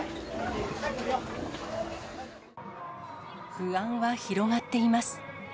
不安は広がっています。